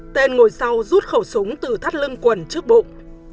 tên ngồi sau rút khẩu súng từ thắt lưng quần trước bụng